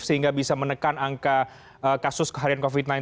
sehingga bisa menekan angka kasus harian covid sembilan belas